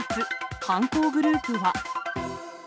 犯行グループは。